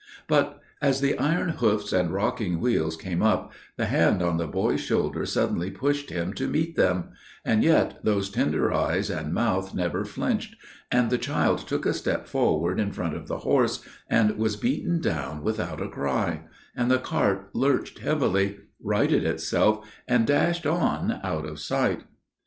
"But as the iron hoofs and rocking wheels came up, the hand on the boy's shoulder suddenly pushed him to meet them; and yet those tender eyes and mouth never flinched, and the child took a step forward in front of the horse, and was beaten down without a cry: and the cart lurched heavily, righted itself, and dashed on out of sight.